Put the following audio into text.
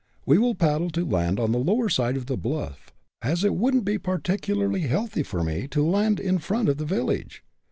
We will paddle to land on the lower side of the bluff, as it wouldn't be particularly healthy for me to land in front of the village.